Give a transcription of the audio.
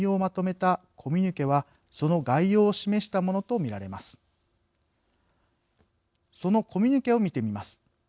そのコミュニケを見てみます。